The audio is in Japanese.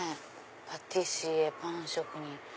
「パティシエ」「パン職人」。